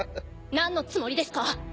なんのつもりですか？